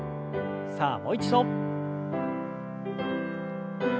さあもう一度。